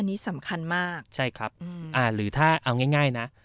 อันนี้สำคัญมากใช่ครับอ่าหรือถ้าเอาง่ายนะ